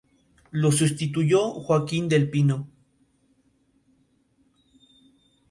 Jill pide Scat y que se le mantenga.